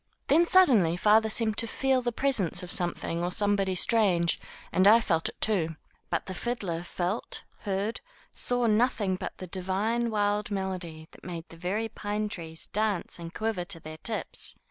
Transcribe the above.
Then suddenly father seemed to feel the presence of some thing or somebody strange, and I felt it, too. But the fiddler felt, heard, saw nothing but the divine, wild melody that made the very pine trees dance and quiver to their tips.